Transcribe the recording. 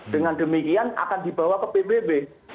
dengan demikian akan dibawa ke pbb